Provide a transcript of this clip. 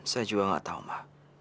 saya juga tidak tahu ma